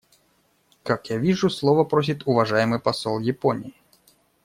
Как я вижу, слова просит уважаемый посол Японии.